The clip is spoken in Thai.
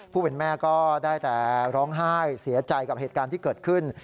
ผู้เป็นแม่ก็ได้แต่ร้องไห้เสียใจกับเหตุการณ์ที่เกิดขึ้น